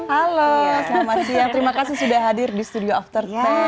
halo selamat siang terima kasih sudah hadir di studio after sepuluh